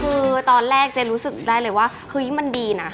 คือตอนแรกเจ๊รู้สึกได้เลยว่าเฮ้ยมันดีนะ